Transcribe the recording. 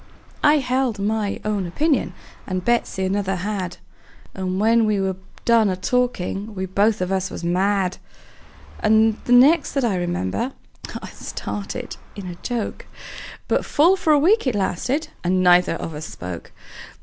I held my own opinion, and Betsey another had; And when we were done a talkin', we both of us was mad. And the next that I remember, it started in a joke; But full for a week it lasted, and neither of us spoke.